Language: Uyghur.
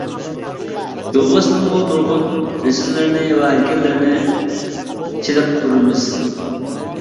يولۋاسنىڭمۇ نۇرغۇن رەسىملىرىنى ۋە ھەيكەللىرىنى چېلىقتۇرىمىز.